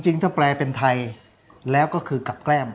จริงถ้าแปลเป็นไทยแล้วก็คือกับแกล้ม